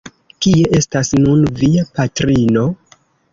Kie estas nun via patrino?